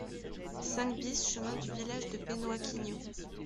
cinq BIS chemin du Village de Penhoat-Quinio